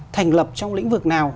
thành lập trong lĩnh vực nào